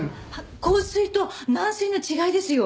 硬水と軟水の違いですよ。